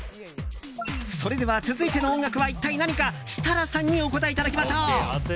それでは、続いての音楽は一体何か、設楽さんにお答えいただきましょう。